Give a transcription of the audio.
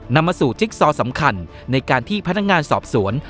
นำมาสู่จิ๊กซอสำคัญในการที่พนักงานสอบสวน